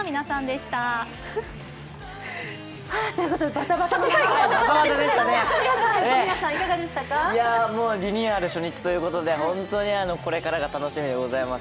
バタバタのままリニューアル初日ということで本当にこれからが楽しみでございます。